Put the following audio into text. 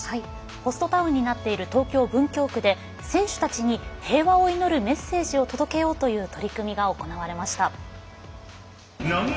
ホストタウンになっている東京、文京区で選手たちに平和を祈るメッセージを届けようという取り組みが行われました。